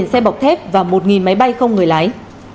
hai xe bọc thép và một máy bay không người lái